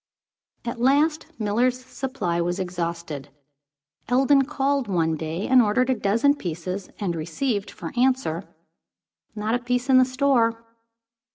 At last, Miller's supply was exhausted. Eldon called, one day, and ordered a dozen pieces, and received for answer "Not a piece in the store."